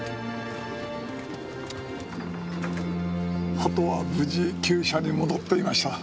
鳩は無事鳩舎に戻っていました。